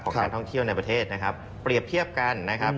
การท่องเที่ยวในประเทศนะครับเปรียบเทียบกันนะครับ